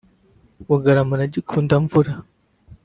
Bugarama na Gikundamvura